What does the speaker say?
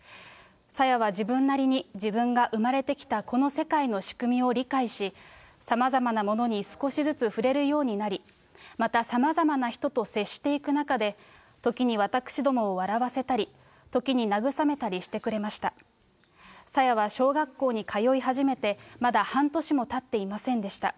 紗椰は自分なりに自分が生まれてきたこの世界の仕組みを理解し、さまざまなものに少しずつ触れるようになり、またさまざまな人と接していく中で、時に私どもを笑わせたり、時に慰めたりしてくれました。